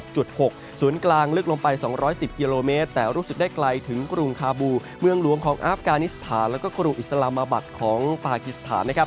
ศูนย์กลางลึกลงไป๒๑๐กิโลเมตรแต่รู้สึกได้ไกลถึงกรุงคาบูเมืองหลวงของอาฟกานิสถานแล้วก็ครูอิสลามบัตรของปากิสถานนะครับ